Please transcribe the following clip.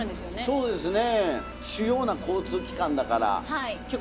そうですか。